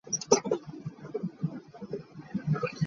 Rome was the provincial capital.